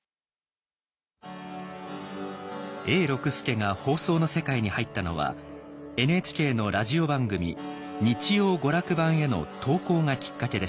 永六輔が放送の世界に入ったのはＮＨＫのラジオ番組「日曜娯楽版」への投稿がきっかけでした。